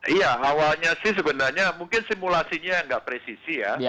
iya awalnya sih sebenarnya mungkin simulasinya nggak presisi ya